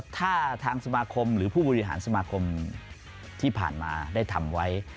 ถ้าทางสมาคมหรือผู้บริหารสมาคมที่ผ่านมาได้ทำไว้